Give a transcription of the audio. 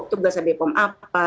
tugasnya bepom apa